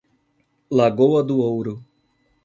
Lagoa do Ouro